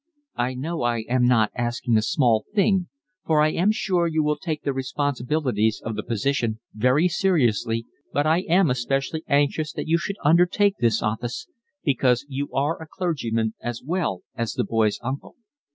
I know I am not asking a small thing, for I am sure you will take the responsibilities of the position very seriously, but I am especially anxious that you should undertake this office because you are a clergyman as well as the boy's uncle.